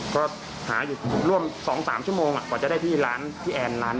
ก็หาอยู่รวม๒๓ชั่วโมงก่อนจะได้ที่แอร์นร้านนี้